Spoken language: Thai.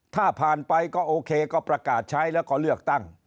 ถ้าผ่านไปก็โอเคก็ประกาศใช้แล้วก็เลือกตั้ง